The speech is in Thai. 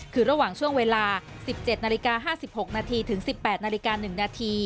คือระหว่างช่วงเวลา๑๗น๕๖นถึง๑๘น๑น